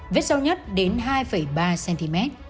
vết sâu nhất đến hai ba cm